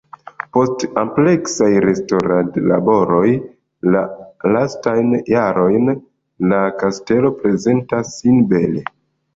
Post ampleksaj restaŭradlaboroj la lastajn jarojn la kastelo prezentas sin bele.